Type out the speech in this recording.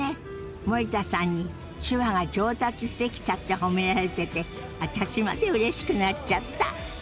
森田さんに手話が上達してきたって褒められてて私までうれしくなっちゃった！